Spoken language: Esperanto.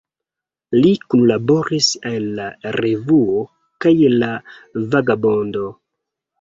Li kunlaboris al "La Revuo" kaj "La Vagabondo.